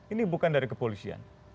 ini bukan dari kepolisian